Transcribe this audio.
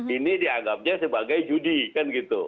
ini dianggapnya sebagai judi kan gitu